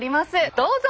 どうぞ！